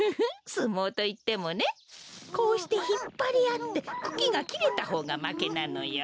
すもうといってもねこうしてひっぱりあってクキがきれたほうがまけなのよ。